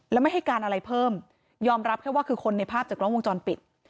แล้วไม่ให้การอะไรเพิ่มยอมรับแค่ว่าคือคนในภาพจากกล้องวงจรปิด